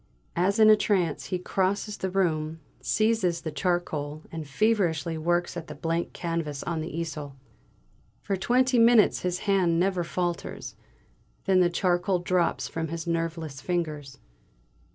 As in a trance he crosses the room, seizes charcoal, and feverishly works at the blank canvas on the easel. For twenty minutes his hand never falters, then the charcoal drops from his nerveless fingers!